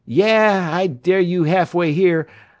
"Yah! I dare you half way here.